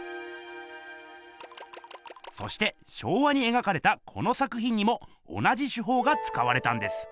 そして昭和に描かれたこの作ひんにも同じ手ほうがつかわれたんです。